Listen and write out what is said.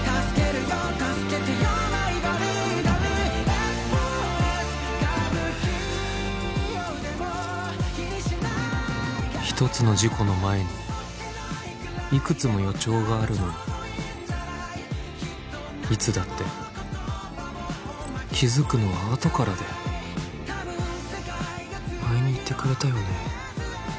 優しい人です一つの事故の前にいくつも予兆があるのにいつだって気づくのは後からで前に言ってくれたよね